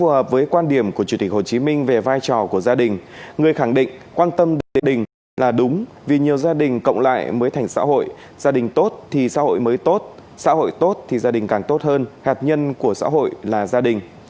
hợp với quan điểm của chủ tịch hồ chí minh về vai trò của gia đình người khẳng định quan tâm gia đình là đúng vì nhiều gia đình cộng lại mới thành xã hội gia đình tốt thì xã hội mới tốt xã hội tốt thì gia đình càng tốt hơn hạt nhân của xã hội là gia đình